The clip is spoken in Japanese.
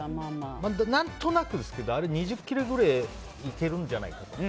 何となくですけどあれ２０切れくらいいけるんじゃないかと。